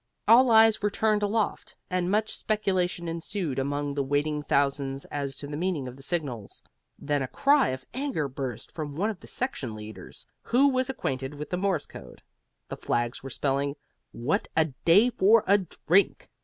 All eyes were turned aloft, and much speculation ensued among the waiting thousands as to the meaning of the signals. Then a cry of anger burst from one of the section leaders, who was acquainted with the Morse code. The flags were spelling WHAT A DAY FOR A DRINK!